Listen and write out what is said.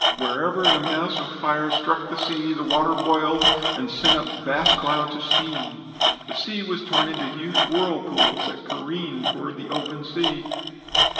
"Wherever the mass of fire struck the sea the water boiled and sent up vast clouds of steam. The sea was torn into huge whirlpools that careened toward the open sea.